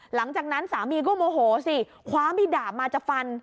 หลังจากนั้นสามีก็โมโหสิคว้ามิดาบมาจะฟัน